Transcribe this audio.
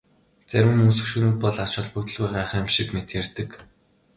Зарим хүмүүс хөшөөнүүд бол ач холбогдолгүй гайхамшиг мэт ярьдаг.